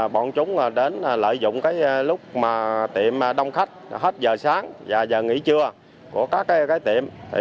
bọn chúng đến lợi dụng lúc tiệm đông khách hết giờ sáng và giờ nghỉ trưa của các tiệm